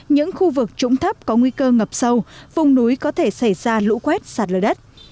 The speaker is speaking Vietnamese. những khu vực trũng thấp có nguy cơ ngập sâu vùng núi có thể xảy ra lũ quét sạt lở đất